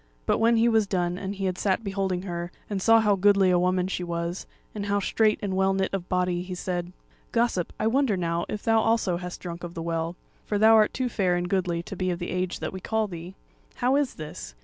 But when he was done and he had sat beholding her, and saw how goodly a woman she was, and how straight and well knit of body, he said: "Gossip, I wonder now, if thou also hast drunk of the Well; for thou art too fair and goodly to be of the age that we call thee. How is this!